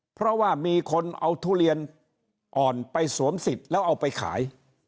เพราะว่ามีคนเอาทุเรียนอ่อนไปสวมสิทธิ์แล้วเอาไปขาย